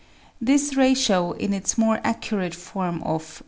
This ratio, in its more accurate form of 3.